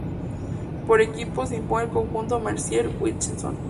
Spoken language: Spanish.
Por equipos, se impone el conjunto Mercier-Hutchinson.